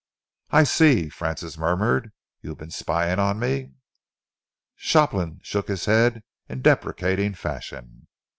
"I see," Francis murmured. "You've been spying on me?" Shopland shook his head in deprecating fashion.